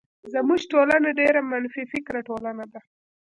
زمونږ ټولنه ډيره منفی فکره ټولنه ده.